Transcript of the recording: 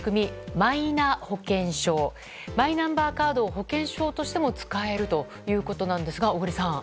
マイナンバーカードを保険証としても使えるということなんですが小栗さん。